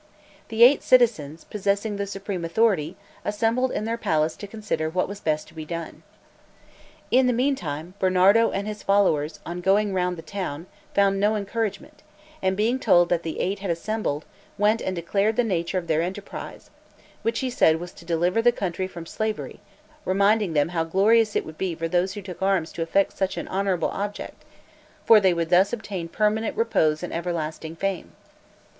The eight citizens, possessing the supreme authority, assembled in their palace to consider what was best to be done. In the meantime, Bernardo and his followers, on going round the town, found no encouragement, and being told that the Eight had assembled, went and declared the nature of their enterprise, which he said was to deliver the country from slavery, reminding them how glorious it would be for those who took arms to effect such an honorable object, for they would thus obtain permanent repose and everlasting fame.